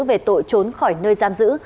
về tội trốn khỏi nơi giam giữ